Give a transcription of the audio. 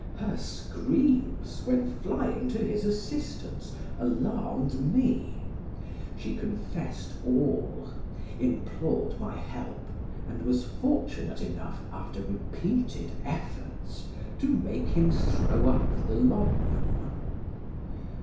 Her screams, while flying to his assistance, alarmed me; she confessed all, implored my help, and was fortunate enough, after repeated efforts, to make him throw up the laudanum.